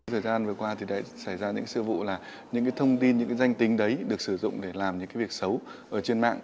thời gian vừa qua thì đã xảy ra những sự vụ là những thông tin những danh tính đấy được sử dụng để làm những việc xấu trên mạng